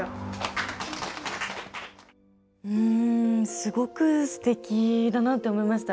すごくすてきだなって思いました。